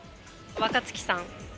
若槻さん。